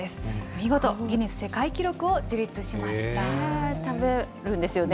見事、ギネス世界記録を樹立しま食べるんですよね？